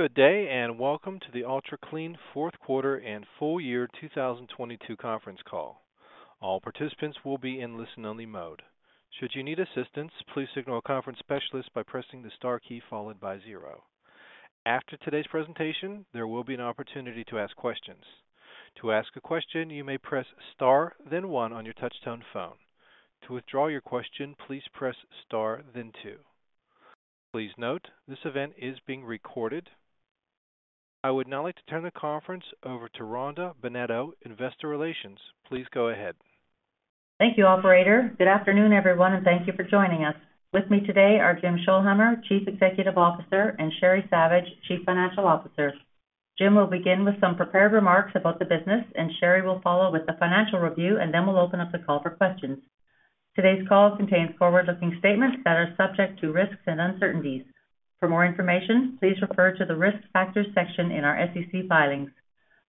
Good day, welcome to the Ultra Clean Fourth Quarter and Full Year 2022 Conference Call. All participants will be in listen-only mode. Should you need assistance, please signal a conference specialist by pressing the star key followed by zero. After today's presentation, there will be an opportunity to ask questions. To ask a question, you may press star then one on your touchtone phone. To withdraw your question, please press star then two. Please note, this event is being recorded. I would now like to turn the conference over to Rhonda Bennetto, Investor Relations. Please go ahead. Thank you, operator. Good afternoon, everyone, and thank you for joining us. With me today are Jim Scholhamer, Chief Executive Officer, and Sheri Savage, Chief Financial Officer. Jim will begin with some prepared remarks about the business and Sheri will follow with the financial review. Then we'll open up the call for questions. Today's call contains forward-looking statements that are subject to risks and uncertainties. For more information, please refer to the Risk Factors section in our SEC filings.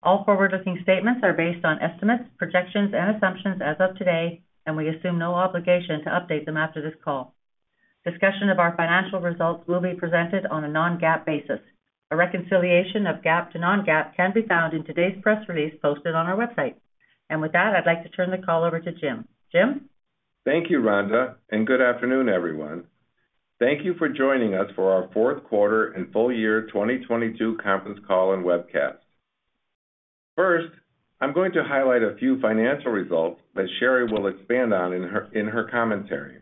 All forward-looking statements are based on estimates, projections, and assumptions as of today. We assume no obligation to update them after this call. Discussion of our financial results will be presented on a non-GAAP basis. A reconciliation of GAAP to non-GAAP can be found in today's press release posted on our website. With that, I'd like to turn the call over to Jim. Jim? Thank you, Rhonda. Good afternoon, everyone. Thank you for joining us for our fourth quarter and full year 2022 conference call and webcast. First, I'm going to highlight a few financial results that Sheri will expand on in her commentary.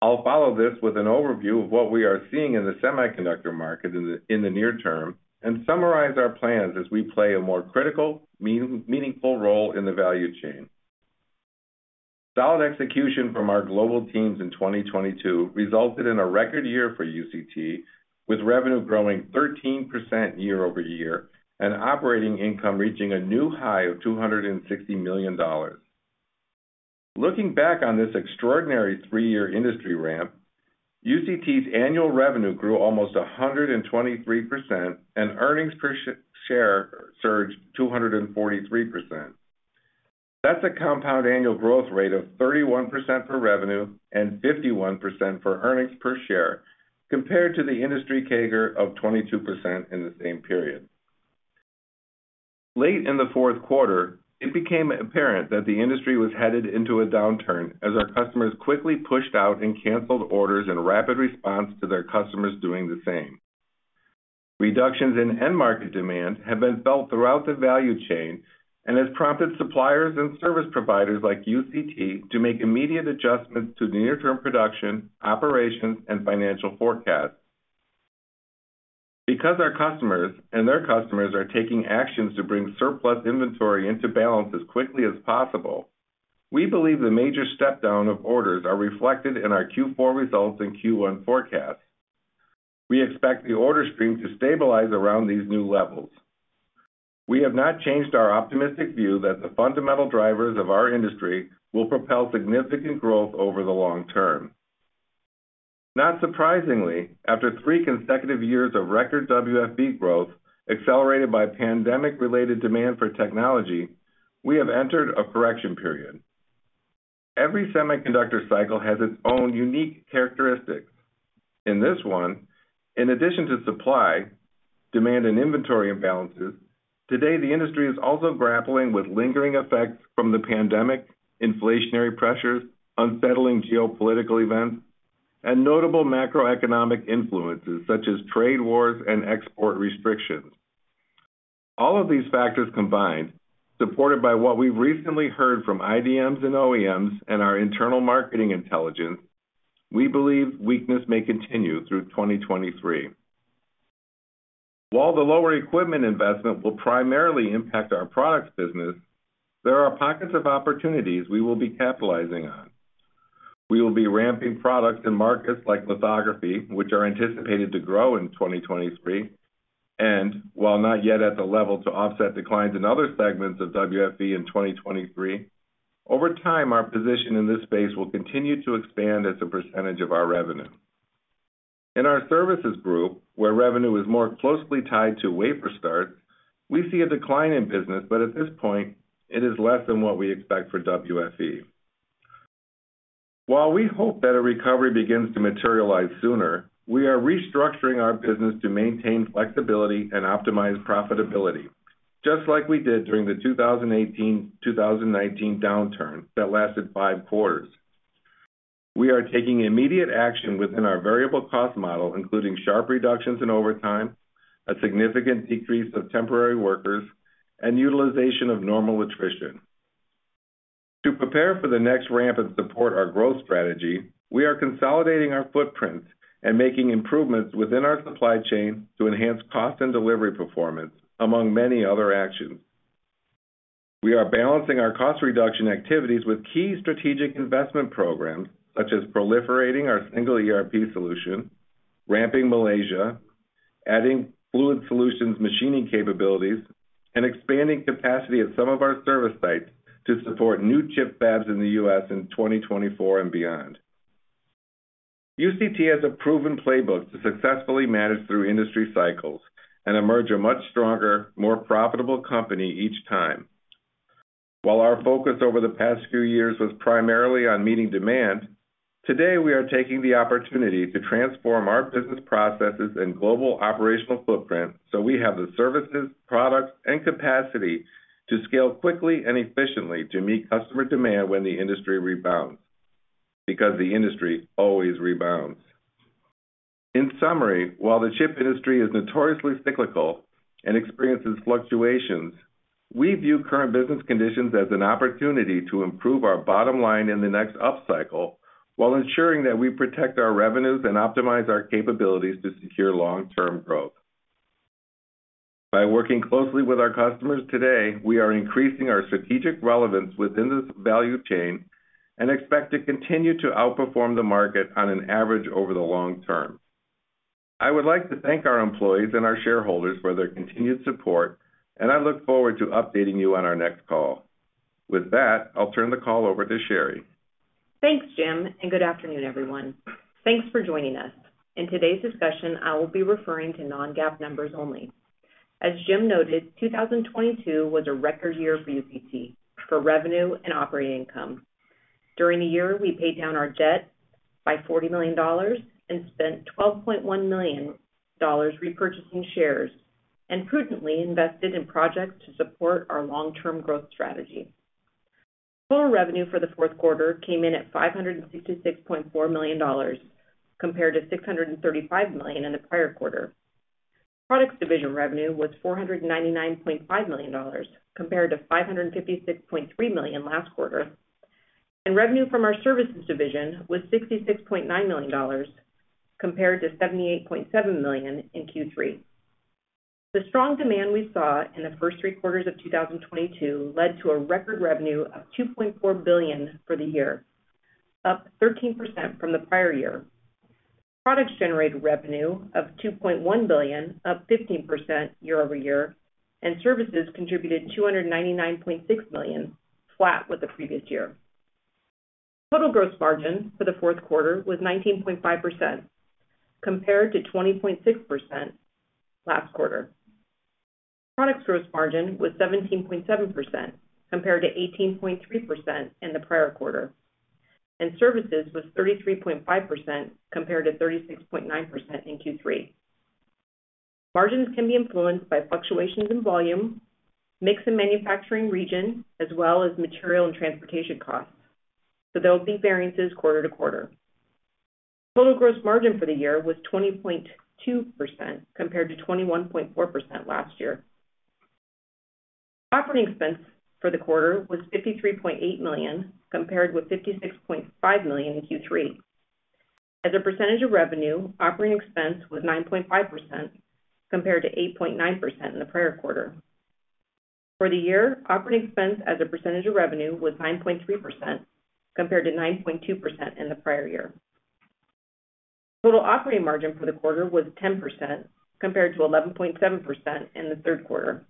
I'll follow this with an overview of what we are seeing in the semiconductor market in the near term and summarize our plans as we play a more critical, meaningful role in the value chain. Solid execution from our global teams in 2022 resulted in a record year for UCT, with revenue growing 13% year-over-year and operating income reaching a new high of $260 million. Looking back on this extraordinary three-year industry ramp, UCT's annual revenue grew almost 123% and earnings per share surged 243%. That's a compound annual growth rate of 31% for revenue and 51% for earnings per share compared to the industry CAGR of 22% in the same period. Late in the fourth quarter, it became apparent that the industry was headed into a downturn as our customers quickly pushed out and canceled orders in rapid response to their customers doing the same. Reductions in end market demand have been felt throughout the value chain and has prompted suppliers and service providers like UCT to make immediate adjustments to the near-term production, operations, and financial forecasts. Because our customers and their customers are taking actions to bring surplus inventory into balance as quickly as possible, we believe the major step down of orders are reflected in our Q4 results and Q1 forecasts. We expect the order stream to stabilize around these new levels. We have not changed our optimistic view that the fundamental drivers of our industry will propel significant growth over the long term. Not surprisingly, after three consecutive years of record WFE growth accelerated by pandemic-related demand for technology, we have entered a correction period. Every semiconductor cycle has its own unique characteristics. In this one, in addition to supply, demand, and inventory imbalances, today, the industry is also grappling with lingering effects from the pandemic, inflationary pressures, unsettling geopolitical events, and notable macroeconomic influences such as trade wars and export restrictions. All of these factors combined, supported by what we've recently heard from IDMs and OEMs and our internal marketing intelligence, we believe weakness may continue through 2023. While the lower equipment investment will primarily impact our products business, there are pockets of opportunities we will be capitalizing on. We will be ramping products in markets like lithography, which are anticipated to grow in 2023, and while not yet at the level to offset declines in other segments of WFE in 2023, over time, our position in this space will continue to expand as a percentage of our revenue. In our services group, where revenue is more closely tied to wafer starts, we see a decline in business, but at this point, it is less than what we expect for WFE. While we hope that a recovery begins to materialize sooner, we are restructuring our business to maintain flexibility and optimize profitability, just like we did during the 2018, 2019 downturn that lasted five quarters. We are taking immediate action within our variable cost model, including sharp reductions in overtime, a significant decrease of temporary workers, and utilization of normal attrition. To prepare for the next ramp and support our growth strategy, we are consolidating our footprint and making improvements within our supply chain to enhance cost and delivery performance, among many other actions. We are balancing our cost reduction activities with key strategic investment programs such as proliferating our single ERP solution, ramping Malaysia, adding Fluid Solutions machining capabilities, and expanding capacity at some of our service sites to support new chip fabs in the U.S. in 2024 and beyond. UCT has a proven playbook to successfully manage through industry cycles and emerge a much stronger, more profitable company each time. While our focus over the past few years was primarily on meeting demand, today we are taking the opportunity to transform our business processes and global operational footprint so we have the services, products, and capacity to scale quickly and efficiently to meet customer demand when the industry rebounds, because the industry always rebounds. In summary, while the chip industry is notoriously cyclical and experiences fluctuations, we view current business conditions as an opportunity to improve our bottom line in the next upcycle while ensuring that we protect our revenues and optimize our capabilities to secure long-term growth. By working closely with our customers today, we are increasing our strategic relevance within this value chain and expect to continue to outperform the market on an average over the long term. I would like to thank our employees and our shareholders for their continued support, and I look forward to updating you on our next call. With that, I'll turn the call over to Sheri. Thanks, Jim. Good afternoon, everyone. Thanks for joining us. In today's discussion, I will be referring to non-GAAP numbers only. As Jim noted, 2022 was a record year for UCT for revenue and operating income. During the year, we paid down our debt by $40 million and spent $12.1 million repurchasing shares and prudently invested in projects to support our long-term growth strategy. Total revenue for the fourth quarter came in at $566.4 million, compared to $635 million in the prior quarter. Products division revenue was $499.5 million, compared to $556.3 million last quarter. Revenue from our services division was $66.9 million, compared to $78.7 million in Q3. The strong demand we saw in the first three quarters of 2022 led to a record revenue of $2.4 billion for the year, up 13% from the prior year. Products generated revenue of $2.1 billion, up 15% year-over-year, and services contributed $299.6 million, flat with the previous year. Total gross margin for the fourth quarter was 19.5%, compared to 20.6% last quarter. Products gross margin was 17.7%, compared to 18.3% in the prior quarter, and services was 33.5%, compared to 36.9% in Q3. Margins can be influenced by fluctuations in volume, mix in manufacturing region, as well as material and transportation costs. There will be variances quarter-to-quarter. Total gross margin for the year was 20.2%, compared to 21.4% last year. Operating expense for the quarter was $53.8 million, compared with $56.5 million in Q3. As a percentage of revenue, operating expense was 9.5%, compared to 8.9% in the prior quarter. For the year, operating expense as a percentage of revenue was 9.3%, compared to 9.2% in the prior year. Total operating margin for the quarter was 10%, compared to 11.7% in the third quarter.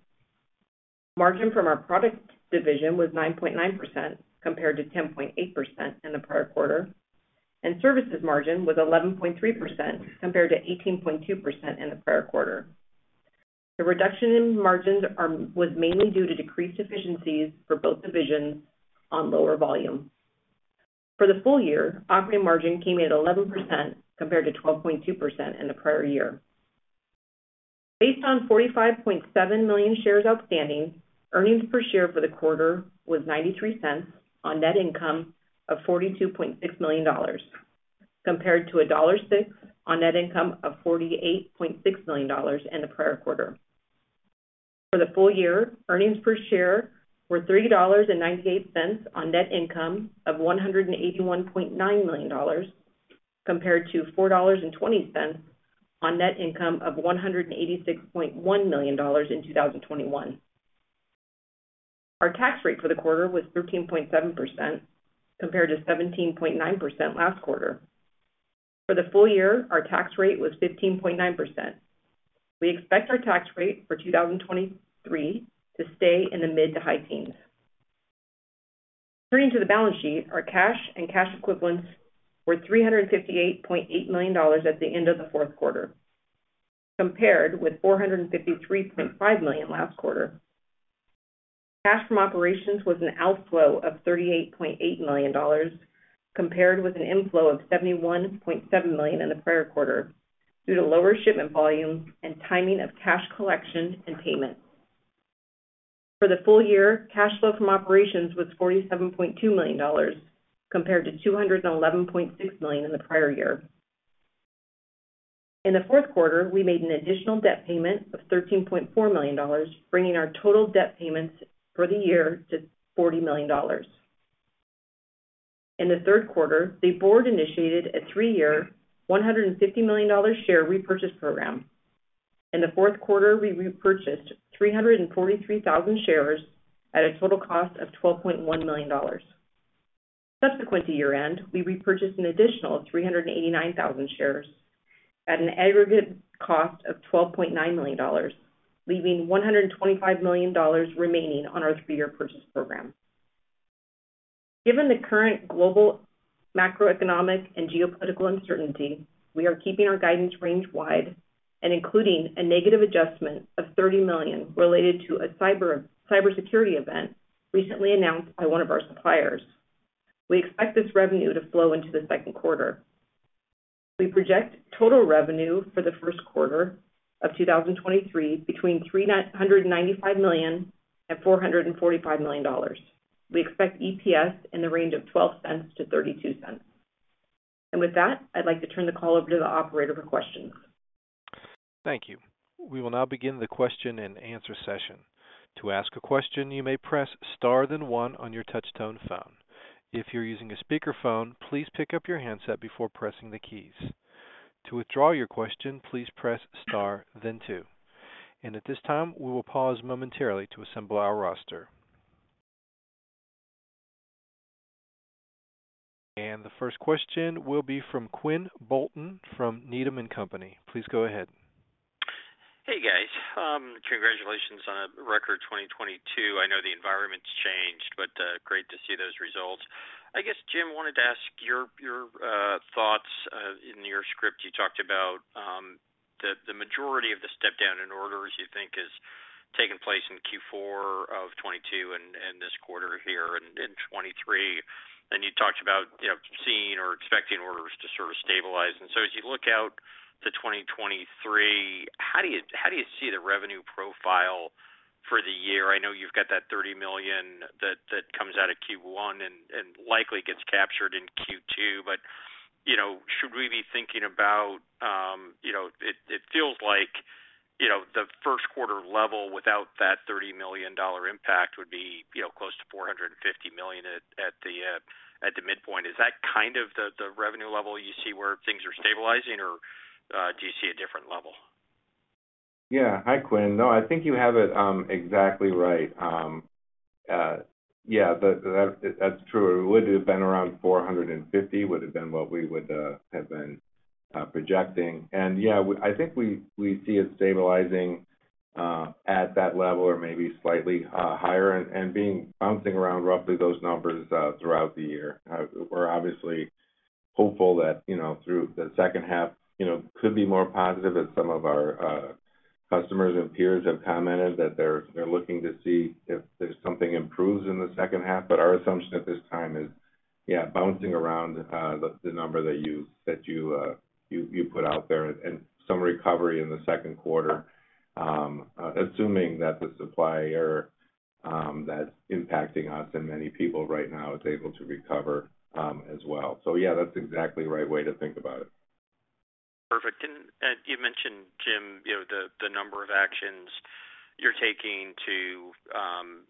Margin from our product division was 9.9%, compared to 10.8% in the prior quarter, and services margin was 11.3%, compared to 18.2% in the prior quarter. The reduction in margins was mainly due to decreased efficiencies for both divisions on lower volume. For the full year, operating margin came in at 11%, compared to 12.2% in the prior year. Based on 45.7 million shares outstanding, earnings per share for the quarter was $0.93 on net income of $42.6 million, compared to $1.06 on net income of $48.6 million in the prior quarter. For the full year, earnings per share were $3.98 on net income of $181.9 million, compared to $4.20 on net income of $186.1 million in 2021. Our tax rate for the quarter was 13.7%, compared to 17.9% last quarter. For the full year, our tax rate was 15.9%. We expect our tax rate for 2023 to stay in the mid to high teens. Turning to the balance sheet, our cash and cash equivalents were $358.8 million at the end of the fourth quarter, compared with $453.5 million last quarter. Cash from operations was an outflow of $38.8 million, compared with an inflow of $71.7 million in the prior quarter due to lower shipment volumes and timing of cash collection and payment. For the full year, cash flow from operations was $47.2 million, compared to $211.6 million in the prior year. In the fourth quarter, we made an additional debt payment of $13.4 million, bringing our total debt payments for the year to $40 million. In the third quarter, the board initiated a three-year, $150 million share repurchase program. In the fourth quarter, we repurchased 343,000 shares at a total cost of $12.1 million. Subsequent to year-end, we repurchased an additional 389,000 shares at an aggregate cost of $12.9 million, leaving $125 million remaining on our three-year purchase program. Given the current global macroeconomic and geopolitical uncertainty, we are keeping our guidance range wide and including a negative adjustment of $30 million related to a cybersecurity event recently announced by one of our suppliers. We expect this revenue to flow into the second quarter. We project total revenue for the first quarter of 2023 between $395 million and $445 million. We expect EPS in the range of $0.12-$0.32. With that, I'd like to turn the call over to the operator for questions. Thank you. We will now begin the question and answer session. To ask a question, you may press star then one on your touch-tone phone. If you're using a speakerphone, please pick up your handset before pressing the keys. To withdraw your question, please press star then two. At this time, we will pause momentarily to assemble our roster. The first question will be from Quinn Bolton from Needham & Company. Please go ahead. Hey, guys. Congratulations on a record 2022. I know the environment's changed, great to see those results. I guess, Jim, wanted to ask your thoughts. In your script, you talked about the majority of the step-down in orders you think has taken place in Q4 of 2022 and this quarter here in 2023. You talked about, you know, seeing or expecting orders to sort of stabilize. As you look out to 2023, how do you see the revenue profile for the year? I know you've got that $30 million that comes out of Q1 and likely gets captured in Q2. You know, should we be thinking about, you know, it feels like, you know, the first quarter level without that $30 million impact would be, you know, close to $450 million at the midpoint. Is that kind of the revenue level you see where things are stabilizing, or do you see a different level? Yeah. Hi, Quinn. No, I think you have it exactly right. That's true. It would have been around $450 million, would have been what we would have been projecting. Yeah, I think we see it stabilizing at that level or maybe slightly higher and being bouncing around roughly those numbers throughout the year. We're obviously hopeful that, you know, through the second half, you know, could be more positive as some of our customers and peers have commented that they're looking to see if there's something improves in the second half. Our assumption at this time is, yeah, bouncing around, the number that you put out there and some recovery in the second quarter, assuming that the supplier that's impacting us and many people right now is able to recover as well. Yeah, that's exactly the right way to think about it. Perfect. You mentioned, Jim, you know, the number of actions you're taking to,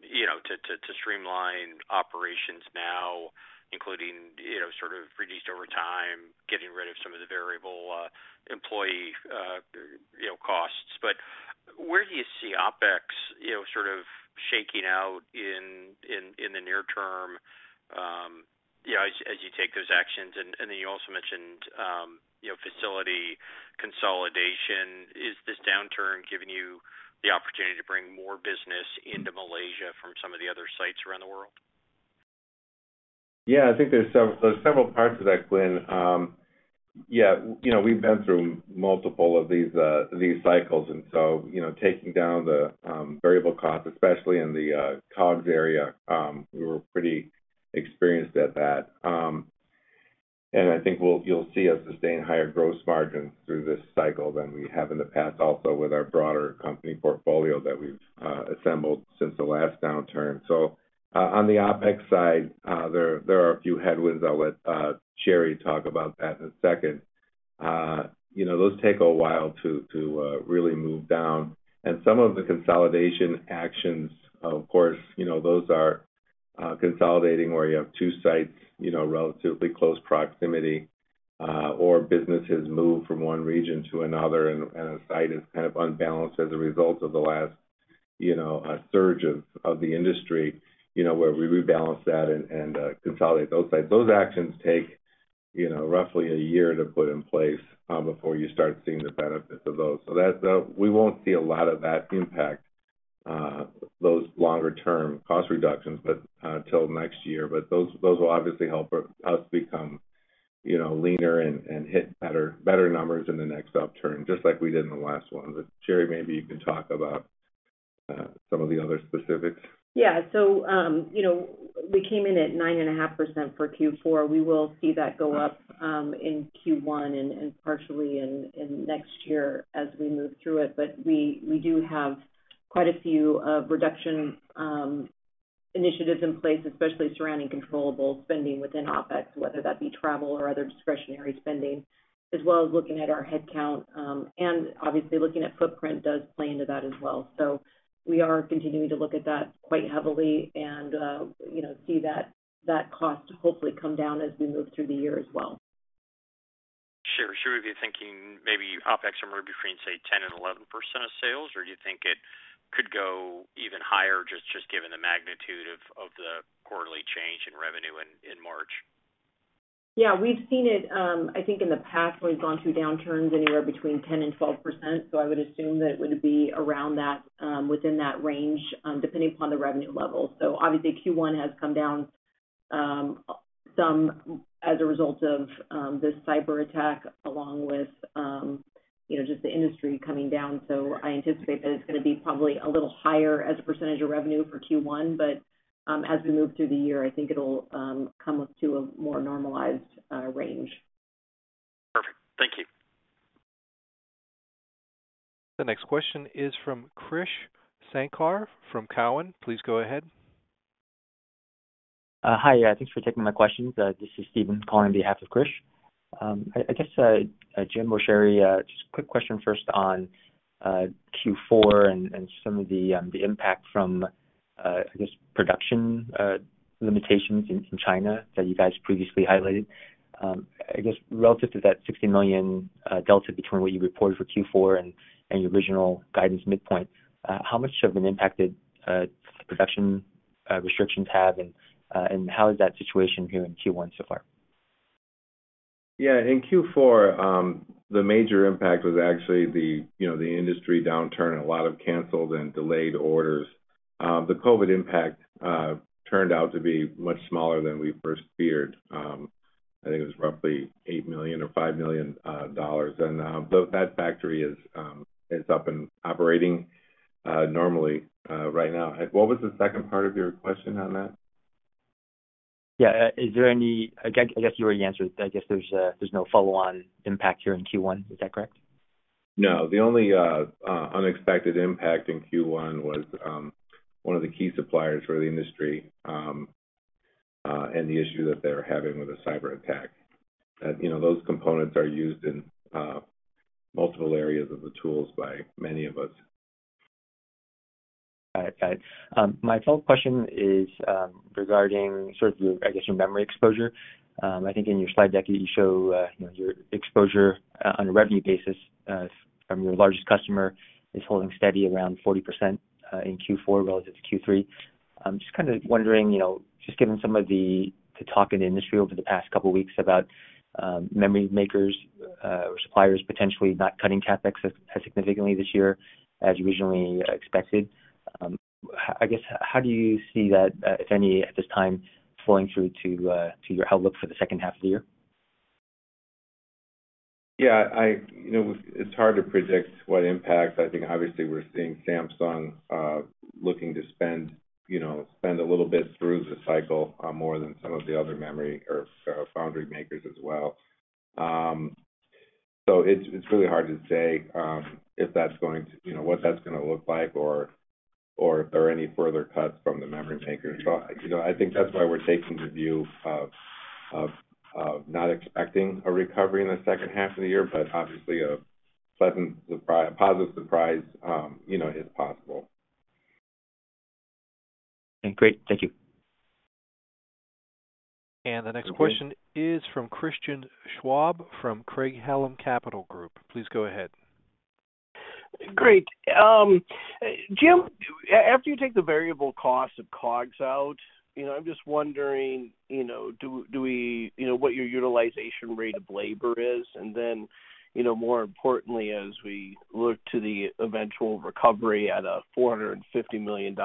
you know, to streamline operations now, including, you know, sort of reduced over time, getting rid of some of the variable employee, you know, costs. Where do you see OpEx, you know, sort of shaking out in the near term, you know, as you take those actions? Then you also mentioned, you know, facility consolidation. Is this downturn giving you the opportunity to bring more business into Malaysia from some of the other sites around the world? I think there's several parts to that, Quinn. You know, we've been through multiple of these cycles, and so, you know, taking down the variable costs, especially in the COGS area, we were pretty experienced at that. I think you'll see us sustain higher gross margins through this cycle than we have in the past, also with our broader company portfolio that we've assembled since the last downturn. On the OpEx side, there are a few headwinds. I'll let Sheri talk about that in a second. You know, those take a while to really move down. Some of the consolidation actions, of course, you know, those are consolidating where you have two sites, you know, relatively close proximity, or business has moved from one region to another and a site is kind of unbalanced as a result of the last, you know, surge of the industry, you know, where we rebalance that and consolidate those sites. Those actions take, you know, roughly a year to put in place, before you start seeing the benefits of those. That, we won't see a lot of that impact, those longer term cost reductions, till next year. Those will obviously help us become, you know, leaner and hit better numbers in the next upturn, just like we did in the last one. Sheri, maybe you can talk about, some of the other specifics. Yeah. You know, we came in at 9.5% for Q4. We will see that go up in Q1 and partially in next year as we move through it. We do have quite a few reduction initiatives in place, especially surrounding controllable spending within OpEx, whether that be travel or other discretionary spending, as well as looking at our headcount, and obviously looking at footprint does play into that as well. We are continuing to look at that quite heavily and, you know, see that cost hopefully come down as we move through the year as well. Sure. Should we be thinking maybe OpEx somewhere between, say, 10% and 11% of sales, or do you think it could go even higher just given the magnitude of the quarterly change in revenue in March? Yeah, we've seen it, I think in the past when we've gone through downturns anywhere between 10% and 12%. I would assume that it would be around that, within that range, depending upon the revenue level. Obviously Q1 has come down, some as a result of this cyber-attack along with, you know, just the industry coming down. I anticipate that it's gonna be probably a little higher as a percentage of revenue for Q1, but as we move through the year, I think it'll come up to a more normalized range. Perfect. Thank you. The next question is from Krish Sankar from Cowen. Please go ahead. Hi. Thanks for taking my questions. This is Steven calling on behalf of Krish. I guess Jim or Sheri, just a quick question first on Q4 and some of the impact from I guess production limitations in China that you guys previously highlighted. I guess relative to that $60 million delta between what you reported for Q4 and your original guidance midpoint, how much of an impact did production restrictions have, and how is that situation here in Q1 so far? Yeah. In Q4, the major impact was actually the, you know, the industry downturn, a lot of canceled and delayed orders. The COVID impact turned out to be much smaller than we first feared. I think it was roughly $8 million or $5 million. That factory is up and operating normally right now. What was the second part of your question on that? Yeah. I guess you already answered. I guess there's no follow-on impact here in Q1. Is that correct? No. The only unexpected impact in Q1 was one of the key suppliers for the industry and the issue that they're having with a cyber attack. You know, those components are used in multiple areas of the tools by many of us. All right. All right. My follow-up question is, regarding sort of your, I guess, your memory exposure. I think in your slide deck, you show, you know, your exposure on a revenue basis, from your largest customer is holding steady around 40%, in Q4 relative to Q3. I'm just kind of wondering, you know, just given some of the talk in the industry over the past couple weeks about memory makers or suppliers potentially not cutting CapEx as significantly this year as originally expected, how, I guess, how do you see that, if any at this time, flowing through to your outlook for the second half of the year? You know, it's hard to predict what impact. I think obviously we're seeing Samsung looking to spend, you know, spend a little bit through the cycle more than some of the other memory or Foundry makers as well. It's, it's really hard to say if that's going to. You know, what that's gonna look like or if there are any further cuts from the memory makers. You know, I think that's why we're taking the view of, of not expecting a recovery in the second half of the year, but obviously a positive surprise, you know, is possible. Okay, great. Thank you. The next question is from Christian Schwab from Craig-Hallum Capital Group. Please go ahead. Great. Jim, after you take the variable cost of COGS out, you know, I'm just wondering, you know, what your utilization rate of labor is, and then, you know, more importantly, as we look to the eventual recovery at a $450 million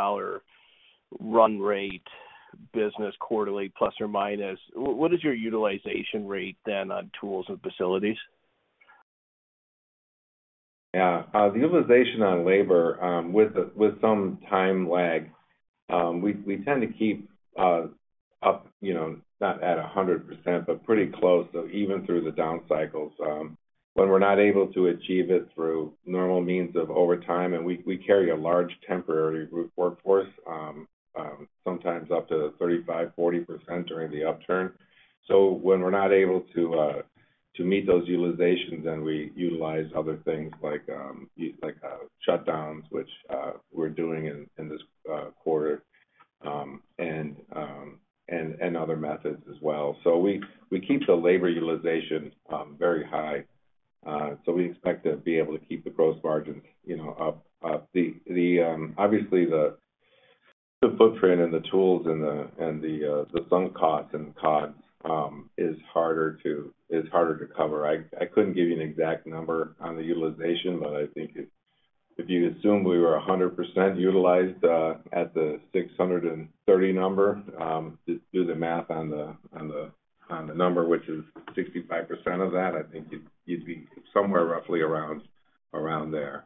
run rate business quarterly plus or minus, what is your utilization rate then on tools and facilities? The utilization on labor, with some time lag, we tend to keep up, you know, not at 100%, but pretty close, so even through the down cycles. When we're not able to achieve it through normal means of overtime, and we carry a large temporary group workforce, sometimes up to 35%-40% during the upturn. When we're not able to meet those utilizations, then we utilize other things like shutdowns, which we're doing in this quarter, and other methods as well. We keep the labor utilization very high, so we expect to be able to keep the gross margins, you know, up. The obviously the footprint and the tools and the sunk costs and COGS is harder to cover. I couldn't give you an exact number on the utilization, but I think if you assume we were 100% utilized at the 630 number, just do the math on the number, which is 65% of that, I think you'd be somewhere roughly around there.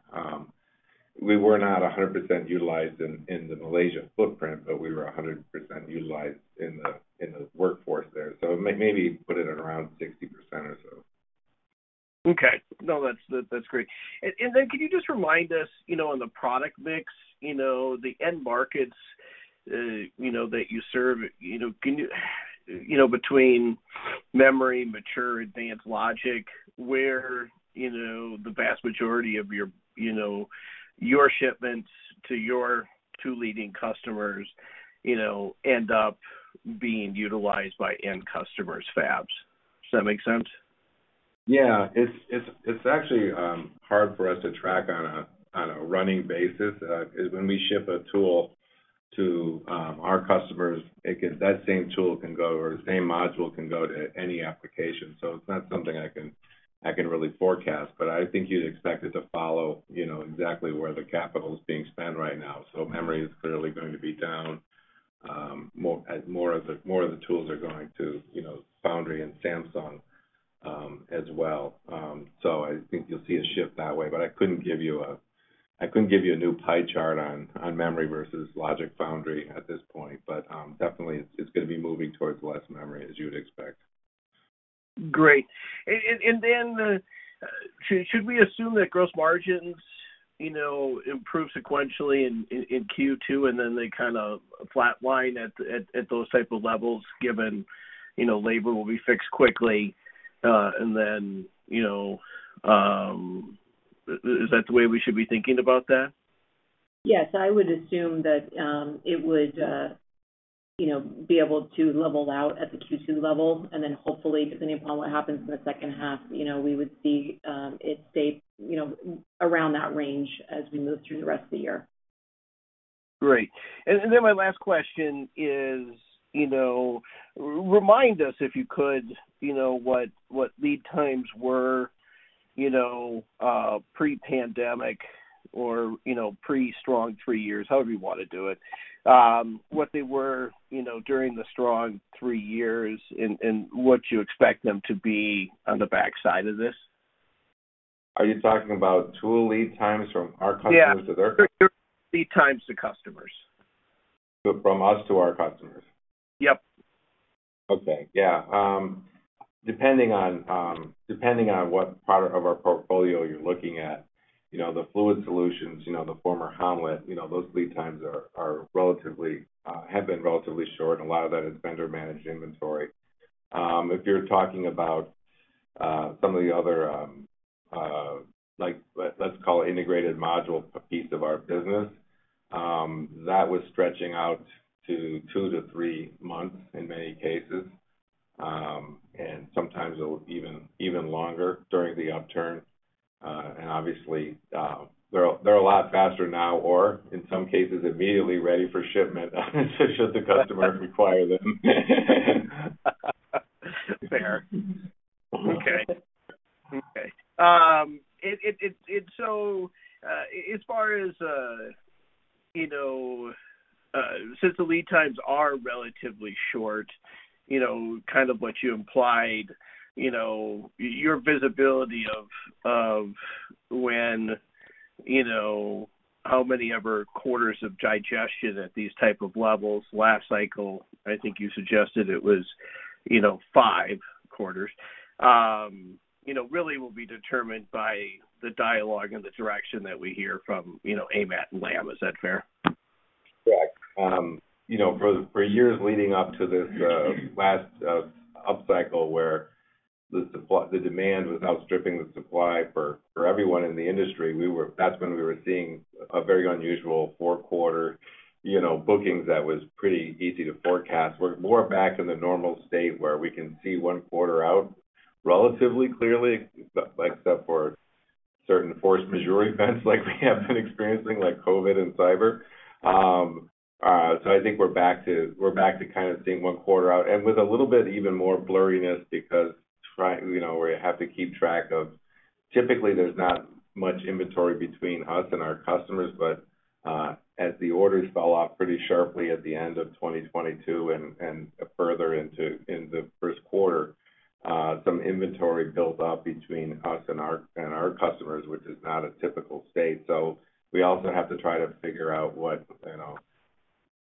We were not 100% utilized in the Malaysian footprint, but we were 100% utilized in the workforce there. Maybe put it at around 60% or so. Okay. No, that's great. Can you just remind us, you know, on the product mix, you know, the end markets, you know, that you serve, you know, between memory, mature, advanced logic, where, you know, the vast majority of your, you know, your shipments to your two leading customers, you know, end up being utilized by end customers' fabs. Does that make sense? Yeah, it's actually hard for us to track on a running basis. 'Cause when we ship a tool to our customers, that same tool can go, or the same module can go to any application. It's not something I can really forecast. I think you'd expect it to follow, you know, exactly where the capital is being spent right now. Memory is clearly going to be down, as more of the tools are going to, you know, Foundry and Samsung as well. I think you'll see a shift that way. I couldn't give you a new pie chart on memory versus logic Foundry at this point. Definitely it's gonna be moving towards less memory, as you would expect. Great. Should we assume that gross margins, you know, improve sequentially in Q2, and then they kind of flatline at those type of levels, given, you know, labor will be fixed quickly, and then, you know, is that the way we should be thinking about that? Yes, I would assume that, it would, you know, be able to level out at the Q2 level. Hopefully, depending upon what happens in the second half, you know, we would see, it stay, you know, around that range as we move through the rest of the year. Great. Then my last question is, you know, remind us, if you could, you know, what lead times were, you know, pre-pandemic or, you know, pre strong three years, however you wanna do it, what they were, you know, during the strong three years and what you expect them to be on the backside of this. Are you talking about tool lead times from our customers to their customers? Yeah. Lead times to customers. From us to our customers? Yep. Okay. Yeah. Depending on, depending on what part of our portfolio you're looking at, you know, the Fluid Solutions, you know, the former Ham-Let, you know, those lead times are relatively, have been relatively short, and a lot of that is vendor-managed inventory. If you're talking about, some of the other, like, let's call it integrated module piece of our business, that was stretching out to two o three months in many cases, and sometimes even longer during the upturn. Obviously, they're a lot faster now or in some cases immediately ready for shipment, should the customer require them. Fair. Okay. Okay. As far as, you know, since the lead times are relatively short, you know, kind of what you implied, you know, your visibility of when, you know, how many of our quarters of digestion at these type of levels. Last cycle, I think you suggested it was, you know, five quarters. You know, really will be determined by the dialogue and the direction that we hear from, you know, AMAT and Lam. Is that fair? Correct. You know, for years leading up to this, last, upcycle where the demand was outstripping the supply for everyone in the industry, that's when we were seeing a very unusual four-quarter, you know, bookings that was pretty easy to forecast. We're more back in the normal state where we can see one quarter out relatively clearly, except, like, for certain force majeure events like we have been experiencing, like COVID and cyber. I think we're back to kind of seeing one quarter out and with a little bit even more blurriness because you know, where you have to keep track of... Typically, there's not much inventory between us and our customers. As the orders fell off pretty sharply at the end of 2022 and further in the first quarter, some inventory built up between us and our customers, which is not a typical state. We also have to try to figure out what, you know.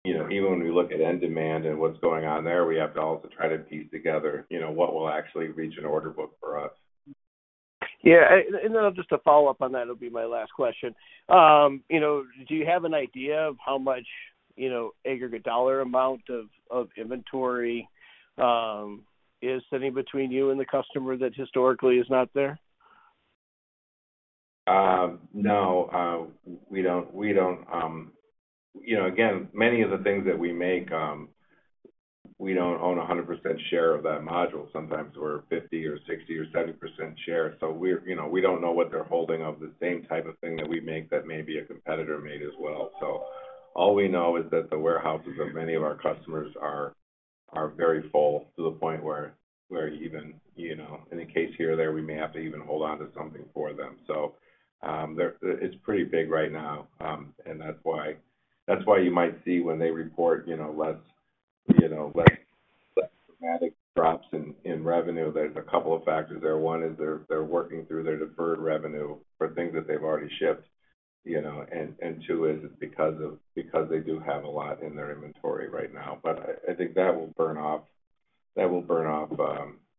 You know, even when we look at end demand and what's going on there, we have to also try to piece together, you know, what will actually reach an order book for us. Yeah. Just to follow up on that, it'll be my last question. You know, do you have an idea of how much, you know, aggregate dollar amount of inventory, is sitting between you and the customer that historically is not there? No, we don't. You know, again, many of the things that we make, we don't own a 100% share of that module. Sometimes we're 50% or 60% or 70% share, so you know, we don't know what they're holding of the same type of thing that we make that maybe a competitor made as well. All we know is that the warehouses of many of our customers are very full to the point where even, you know, in a case here or there, we may have to even hold on to something for them. It's pretty big right now, and that's why you might see when they report, you know, less, less dramatic drops in revenue. There's a couple of factors there. One is they're working through their deferred revenue for things that they've already shipped, you know. Two is because they do have a lot in their inventory right now. I think that will burn off,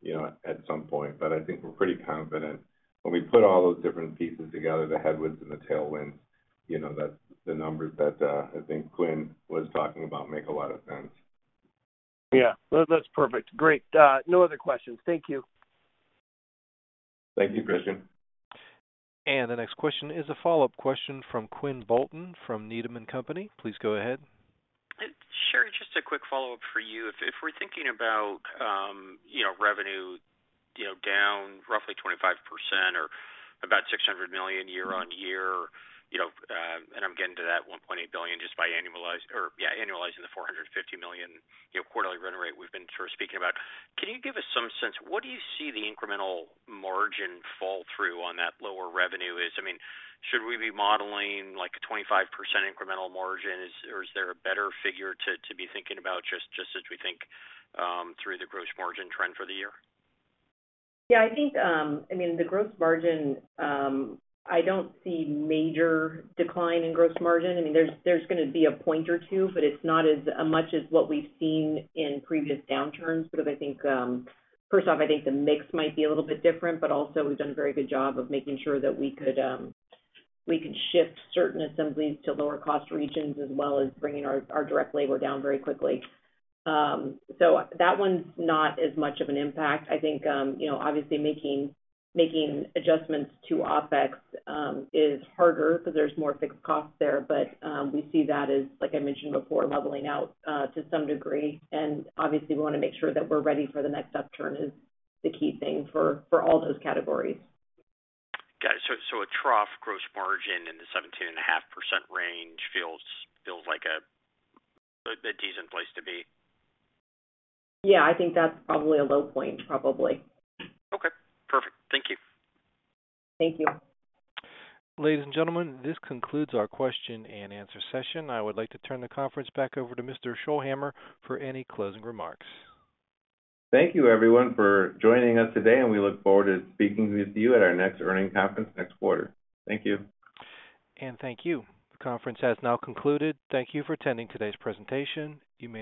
you know, at some point. I think we're pretty confident when we put all those different pieces together, the headwinds and the tailwinds, you know, that the numbers that I think Quinn was talking about make a lot of sense. Yeah. That's perfect. Great. No other questions. Thank you. Thank you, Christian. The next question is a follow-up question from Quinn Bolton from Needham & Company. Please go ahead. Sure. Just a quick follow-up for you. If we're thinking about revenue down roughly 25% or about $600 million year-on-year, and I'm getting to that $1.8 billion just by annualizing the $450 million quarterly run rate we've been sort of speaking about. Can you give us some sense, what do you see the incremental margin fall through on that lower revenue is? I mean, should we be modeling like a 25% incremental margin? Or is there a better figure to be thinking about just as we think through the gross margin trend for the year? Yeah, I think, I mean, the gross margin, I don't see major decline in gross margin. I mean, there's gonna be a point or two, it's not as much as what we've seen in previous downturns because I think, first off, I think the mix might be a little bit different, also we've done a very good job of making sure that we could shift certain assemblies to lower cost regions as well as bringing our direct labor down very quickly. That one's not as much of an impact. I think, you know, obviously making adjustments to OpEx is harder because there's more fixed costs there. We see that as, like I mentioned before, leveling out to some degree. Obviously we wanna make sure that we're ready for the next upturn is the key thing for all those categories. Got it. A trough gross margin in the 17.5% range feels like a decent place to be. Yeah, I think that's probably a low point, probably. Okay, perfect. Thank you. Thank you. Ladies and gentlemen, this concludes our question and answer session. I would like to turn the conference back over to Mr. Scholhamer for any closing remarks. Thank you, everyone, for joining us today, and we look forward to speaking with you at our next earning conference next quarter. Thank you. Thank you. The conference has now concluded. Thank you for attending today's presentation. You may disconnect.